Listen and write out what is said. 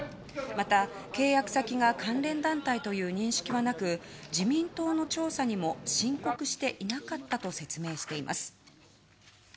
また、契約先が関連団体という認識はなく自民党の調査にも申告していなかったと説明しています。